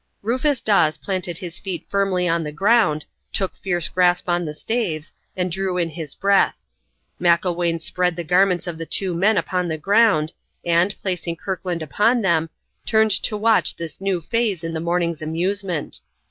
Rufus Dawes planted his feet firmly on the ground, took fierce grasp on the staves, and drew in his breath. Macklewain spread the garments of the two men upon the ground, and, placing Kirkland upon them, turned to watch this new phase in the morning's amusement.